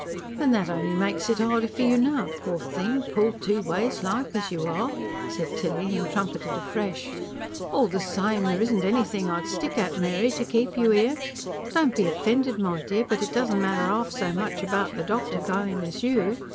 "Then that only makes it harder for you now, poor thing, pulled two ways like, as you are," said Tilly, and trumpeted afresh. "All the same, there isn't anything I'd stick at, Mary, to keep you here. Don't be offended, my dear, but it doesn't matter half so much about the doctor going as you.